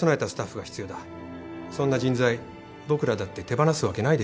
そんな人材僕らだって手放すわけないでしょ。